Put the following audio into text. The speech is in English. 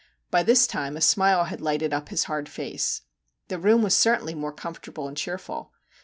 By this time a smile had lighted up his hard face. The room was certainly more comfortable and cheerful.